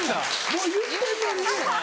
・もう言ってんのに？